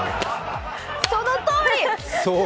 そのとおり！